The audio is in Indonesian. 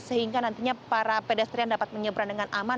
sehingga nantinya para pedestrian dapat menyeberang dengan aman